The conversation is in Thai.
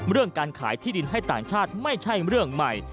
เรื่องการขายที่ดินให้ต่างชาติไม่ใช่เรื่องใหม่